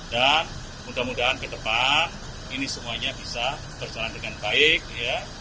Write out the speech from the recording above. dan mudah mudahan ke depan ini semuanya bisa berjalan dengan baik ya